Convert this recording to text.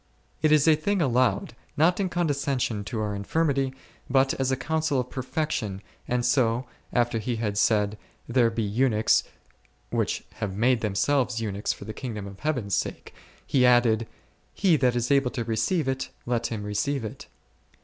It is a thing allowed, not in condescension to our infirmity, but as a counsel of perfection, and so, after He had said, there be eunuchs which have made themselves eunuchs for the kingdom of Heavens sake, He added, he that is able to receive it, let him receive it.